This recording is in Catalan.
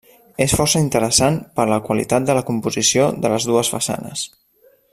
És força interessant per la qualitat de la composició de les dues façanes.